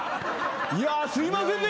いやすいませんね